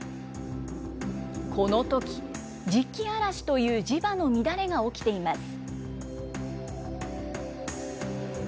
このとき、磁気嵐という磁場の乱れが起きています。